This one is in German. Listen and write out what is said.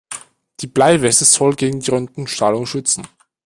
Die Bleiweste soll gegen die Röntgenstrahlung schützen.